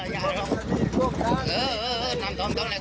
แม่มาช่วยดีกันแม่มาช่วยดีกัน